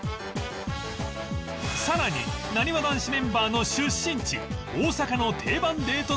さらになにわ男子メンバーの出身地大阪の定番デート